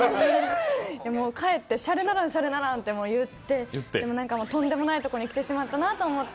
帰って、しゃれにならん、しゃれにならんって言って、とんでもないところに来てしまったなと思って。